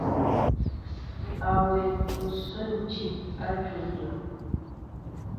Awém osɛm diŋ a jolia.